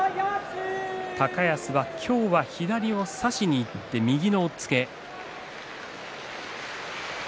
高安は、今日は左を差しにいって右の押っつけ。